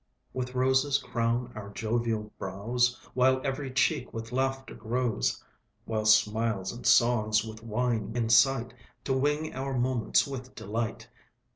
With Roses crown our jovial brows, While every cheek with Laughter glows; While Smiles and Songs, with Wine incite, To wing our moments with Delight.